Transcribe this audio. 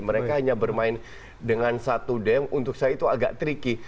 mereka hanya bermain dengan satu deng untuk saya itu agak tricky